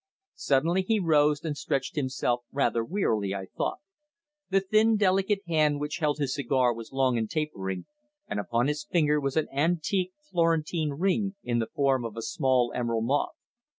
Suddenly he rose and stretched himself rather wearily, I thought. The thin, delicate hand which held his cigar was long and tapering, and upon his finger was an antique Florentine ring in the form of a small emerald moth.